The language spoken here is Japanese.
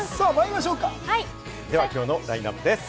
今日のラインナップです。